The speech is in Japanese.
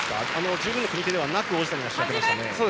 十分な引き手じゃない王子谷が仕掛けましたね。